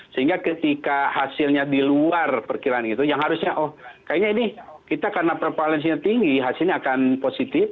sehingga ketika hasilnya di luar perkiraan itu yang harusnya oh kayaknya ini kita karena prevalensinya tinggi hasilnya akan positif